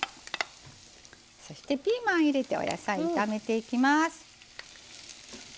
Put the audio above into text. そしてピーマン入れてお野菜炒めていきます。